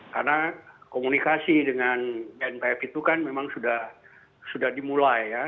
karena komunikasi dengan gnpf itu kan memang sudah dimulai ya